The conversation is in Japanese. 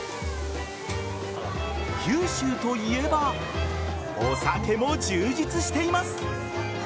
九州といえばお酒も充実しています。